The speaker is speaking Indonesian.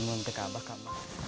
membentuk abah kabah